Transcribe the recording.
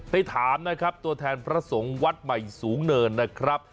ไปถามนะครับตัวแทนพระสงฆ์วัดใหม่สูงเนินนะครับ